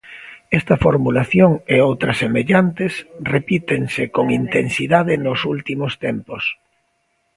Esta formulación e outras semellantes repítense con intensidade nos últimos tempos.